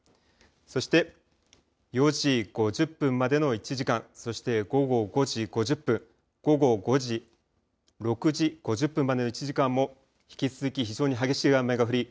そして、４時５０分までの１時間、そして午後５時５０分、６時５０分までの１時間も引き続き非常に激しい雨が降り